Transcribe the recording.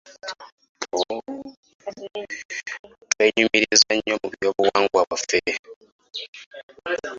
Twenyumiriza nnyo mu byobuwangwa byaffe.